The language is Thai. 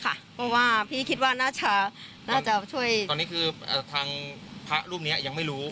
เพราะว่าพี่คิดว่าน่าจะน่าจะช่วยตอนนี้คือทางพระรูปนี้ยังไม่รู้